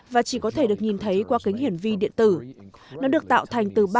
và chỉ có thể được nhìn thấy qua kính hiển vi điện tử nó được tạo thành từ ba khối cầu silica